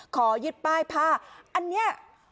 ขอยึดป้ายผ้าอันนี้